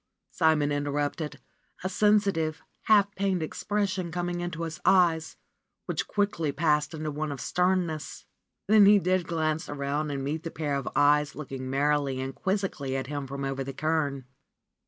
Simon interrupted, a sensi tive, half pained expression coming into his eyes, which quickly passed into one of sternness. Then he did glance around and met the pair of eyes looking merrily and quizzically at him from over the cairn.